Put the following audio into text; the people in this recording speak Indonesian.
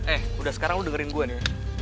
eh udah sekarang udah dengerin gue nih